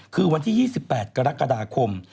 คือวันที่๒๘กรกฎาคม